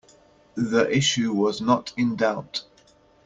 The issue was not in doubt.